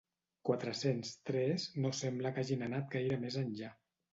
Quatre-cents tres no sembla que hagin anat gaire més enllà.